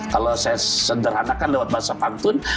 kalau saya sederhanakan lewat bahasa pantun